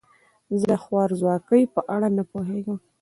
زه د خوارځواکۍ په اړه نه پوهیږم.